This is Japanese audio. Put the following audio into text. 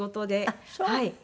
あっそう。